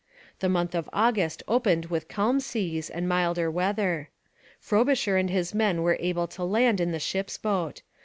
The month of August opened with calm seas and milder weather. Frobisher and his men were able to land in the ship's boat.